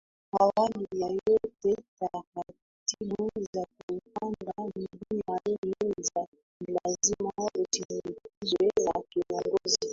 Awali ya yote taratibu za kuupanda milima hii ni lazima usindikizwe na kiongozi